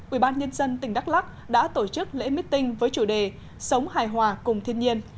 ubnd tỉnh đắk lắc đã tổ chức lễ mít tinh với chủ đề sống hài hòa cùng thiên nhiên